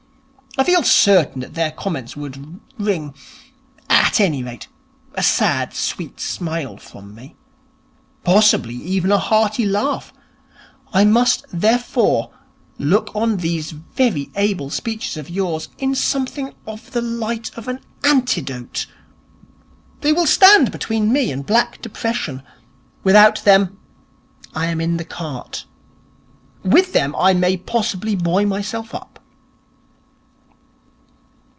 _ I feel certain that their comments would wring, at any rate, a sad, sweet smile from me. Possibly even a hearty laugh. I must, therefore, look on these very able speeches of yours in something of the light of an antidote. They will stand between me and black depression. Without them I am in the cart. With them I may possibly buoy myself up.'